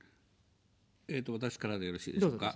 私からでよろしいでしょうか。